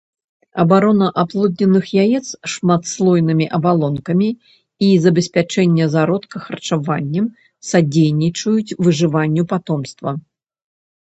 Абарона аплодненых яец шматслойнымі абалонкамі і забеспячэнне зародка харчаваннем садзейнічаюць выжыванню патомства.